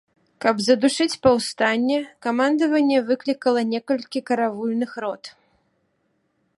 Каб задушыць паўстанне, камандаванне выклікала некалькі каравульных рот.